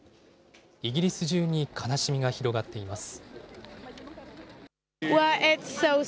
イギリス中に悲しみが広がっています。